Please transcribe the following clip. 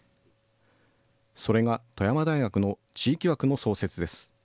それが富山大学の地域枠の創設です。